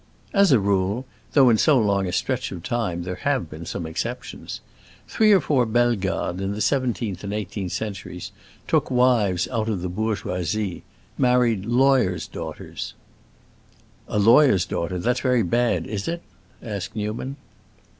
"As a rule; though in so long a stretch of time there have been some exceptions. Three or four Bellegardes, in the seventeenth and eighteenth centuries, took wives out of the bourgeoisie—married lawyers' daughters." "A lawyer's daughter; that's very bad, is it?" asked Newman.